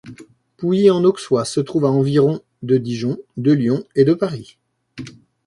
Pouilly-en-Auxois se trouve à environ de Dijon, de Lyon et de Paris.